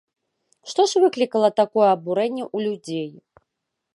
Што ж выклікала такое абурэнне ў людзей?